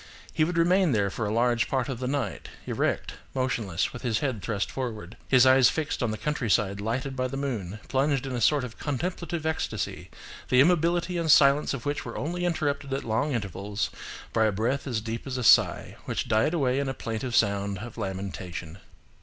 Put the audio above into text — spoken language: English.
He would remain there for a large part of the night, erect, motionless, with his head thrust forward, his eyes fixed on the countryside lighted by the moon, plunged in a sort of contemplative ecstasy, the immobility and silence of which were only interrupted at long intervals by a breath as deep as a sigh, which died away in a plaintive sound of lamentation."